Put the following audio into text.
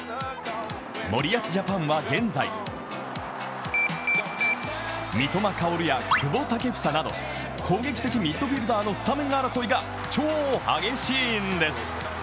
森保ジャパンは現在、三笘薫や久保建英など攻撃的ミッドフィルダーのスタメン争いが超激しいんです。